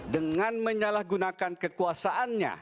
dengan menyalahgunakan kekuasaannya